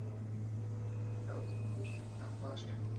এবারও তিন দিক থেকে এ হামলা আসে।